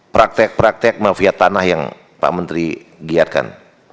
praktek praktek mafia tanah yang pak menteri giatkan